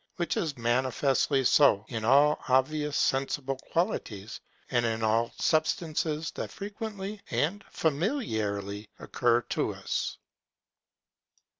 Which is manifestly so in all obvious sensible qualities, and in all substances that frequently and familiarly occur to us.